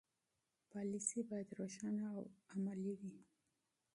پالیسي باید روښانه او عملي وي.